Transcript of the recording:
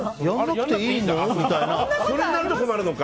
そうなると困るのか。